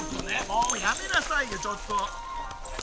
もうやめなさいよちょっと！